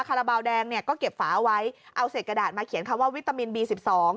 คาราบาลแดงเนี่ยก็เก็บฝาเอาไว้เอาเศษกระดาษมาเขียนคำว่าวิตามินบีสิบสอง